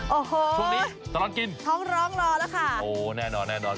โอ้โหช่วงนี้ตลอดกินท้องร้องรอแล้วค่ะโอ้แน่นอนแน่นอน